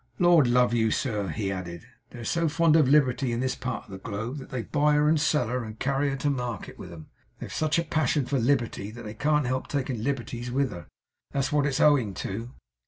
'Lord love you, sir,' he added, 'they're so fond of Liberty in this part of the globe, that they buy her and sell her and carry her to market with 'em. They've such a passion for Liberty, that they can't help taking liberties with her. That's what it's owing to.